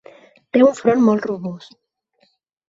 Té un front molt robust.